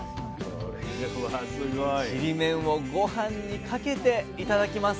ちりめんをごはんにかけて頂きます！